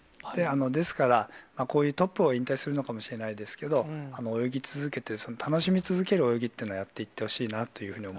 ですから、こういうトップを引退するのかもしれないですけど、泳ぎ続けて、楽しみ続ける泳ぎというのをやっていってほしいなというふうに思